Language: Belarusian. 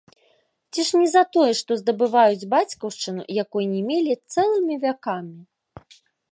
Ці ж не за тое, што здабываюць бацькаўшчыну, якой не мелі цэлымі вякамі?